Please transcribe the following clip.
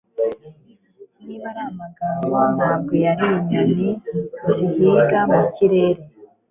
niba ari amagambo ntabwo yari inyoni zihiga mu kirere